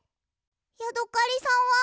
ヤドカリさんは？